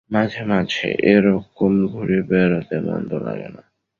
মাঝে-মাঝে এ-রকম ঘুরে বেড়াতে মন্দ লাগে না।